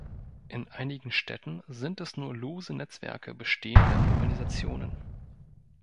In einigen Städten sind es nur lose Netzwerke bestehender Organisationen.